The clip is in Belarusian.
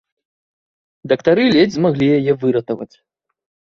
Дактары ледзь змаглі яе выратаваць.